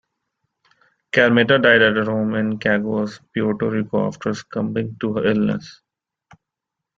Carmita died at her home in Caguas, Puerto Rico after succumbing to her illness.